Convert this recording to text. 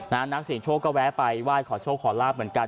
นักเสียงโชคก็แวะไปไหว้ขอโชคขอลาบเหมือนกัน